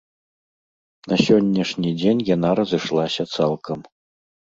На сённяшні дзень яна разышлася цалкам.